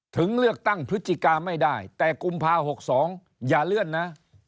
ถึงเลือกตั้งพฤศจิกาไม่ได้แต่กุมภา๖๒อย่าเลื่อนนะ